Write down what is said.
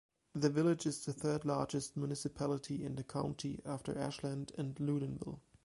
The village is the third largest municipality in the county after Ashland and Loudonville.